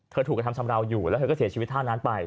ถูกกระทำชำราวอยู่แล้วเธอก็เสียชีวิตท่านั้นไป